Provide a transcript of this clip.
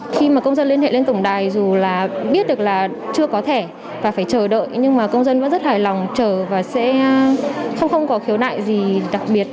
khi mà công dân liên hệ lên tổng đài dù là biết được là chưa có thẻ và phải chờ đợi nhưng mà công dân vẫn rất hài lòng chờ và sẽ không có khiếu nại gì đặc biệt